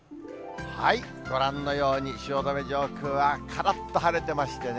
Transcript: ご覧のように、汐留上空はからっと晴れてましてね。